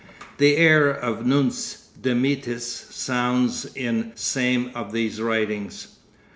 The air of 'Nunc Dimittis' sounds in same of these writings.